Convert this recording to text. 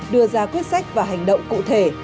đưa ra quyết sách và hành động cụ thể